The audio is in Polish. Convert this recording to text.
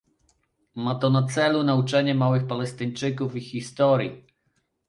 Ma to na celu nauczenie małych Palestyńczyków ich historii